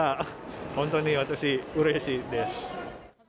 本当に私うれしいです。